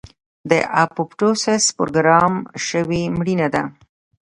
د اپوپټوسس پروګرام شوې مړینه ده.